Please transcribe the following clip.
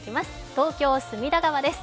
東京・隅田川です。